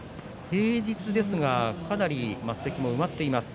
平日ですが、かなり升席は埋まっています。